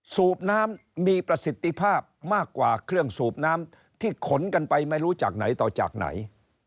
สูบน้ำมีประสิทธิภาพมากกว่าเครื่องสูบน้ำที่ขนกันไปไม่รู้จากไหนต่อจากไหน